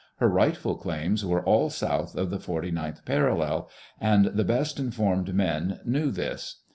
Her rightful claims were all south of the forty ninth parallel, and the best informed men knew this.